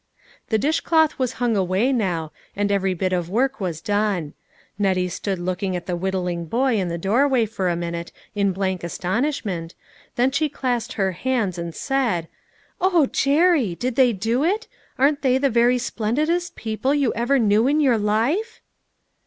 The dishcloth was hung away now, and every bit of work was done. Nettie stood looking at the whittling boy in the doorway for a minute in blank astonishment, then she clasped her hands and said :" O Jerry ! Did they do it ? Aren't they the very splendidest people you ever knew in your life?"